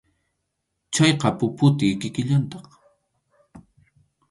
Chayqa puputi kikillantaq.